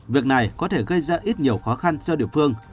việc này có thể gây ra ít nhiều khó khăn cho địa phương